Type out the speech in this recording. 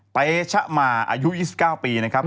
เตชะมาอายุ๒๙ปีนะครับ